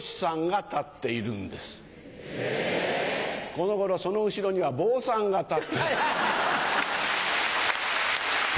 この頃その後ろには坊さんが立っています。